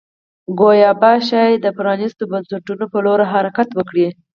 کیوبا ښايي د پرانیستو بنسټونو په لور حرکت وکړي.